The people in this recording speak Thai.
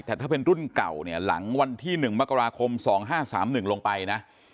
แต่ถ้าเป็นรุ่นเก่าเนี่ยหลังวันที่๑มกราคม๒๕๓๑ลงไปนะ